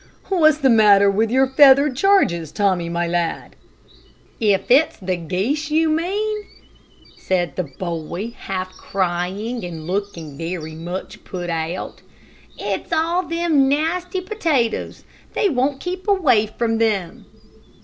"What's the matter with your feathered charges, Tommy, my lad?" "If it's the geese you mean," said the boy, half crying and looking very much put out, "it's all them nasty potatoes. They won't keep away from them."